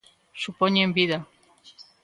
Supoñen vida.